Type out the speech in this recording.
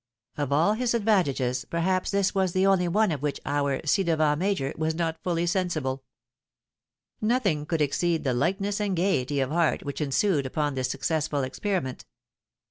Of all his advantages, perhaps this was the only one of which our ci devant major was not fuUy sensible. Nothing could exceed the lightness and gaiety of heart which ensued upon this successful experiment.